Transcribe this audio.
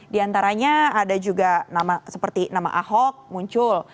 di antaranya ada juga nama seperti nama ahok muncul